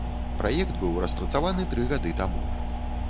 Праект быў распрацаваны тры гады таму.